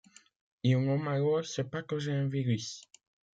Il nomme alors ce pathogène virus.